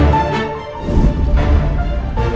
orang yang bersama ibu di pandora cafe